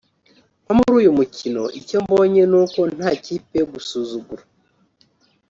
nko muri uyu mukino icyo mbonye ni uko nta kipe yo gusuzugura